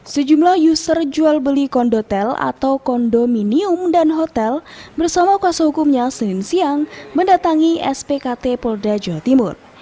sejumlah user jual beli kondotel atau kondominium dan hotel bersama kuasa hukumnya senin siang mendatangi spkt polda jawa timur